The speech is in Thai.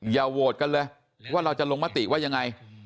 อย่าโหวตกันเลยว่าเราจะลงมติว่ายังไง